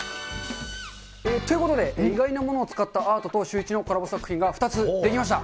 ということで、意外なものを使ったアートとシューイチのコラボ作品が２つ出来ました。